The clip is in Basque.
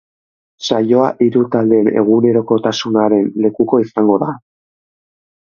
Saioa hiru taldeen egunerokotasunaren lekuko izango da.